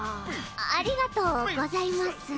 ありがとうございます。